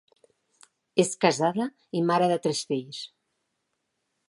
És casada i mare de tres fills.